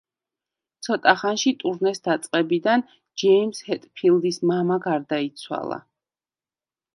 ცოტა ხანში ტურნეს დაწყებიდან ჯეიმზ ჰეტფილდის მამა გარდაიცვალა.